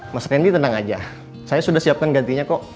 mas randy tenang aja saya sudah siapkan gantinya kok